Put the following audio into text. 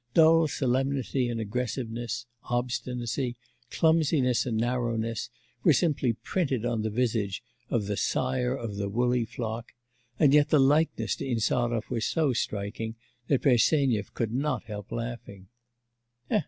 Dull solemnity and aggressiveness, obstinacy, clumsiness and narrowness were simply printed on the visage of the 'sire of the woolly flock,' and yet the likeness to Insarov was so striking that Bersenyev could not help laughing.